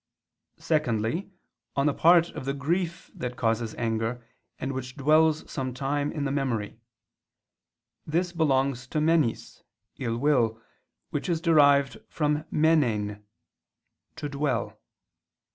Secondly, on the part of the grief that causes anger, and which dwells some time in the memory; this belongs to menis (ill will) which is derived from menein (to dwell).